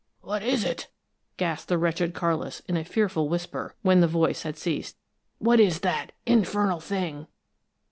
'" "What is it?" gasped the wretched Carlis, in a fearful whisper, when the voice had ceased. "What is that infernal thing?"